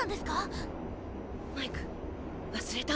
マイク忘れた。